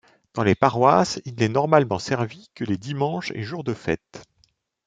Dans les paroisses, il n'est normalement servi que les dimanches et jours de fête.